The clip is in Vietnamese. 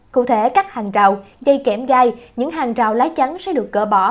cụ thể các hàng rào dây kẻm gai những hàng rào lái trắng sẽ được cỡ bỏ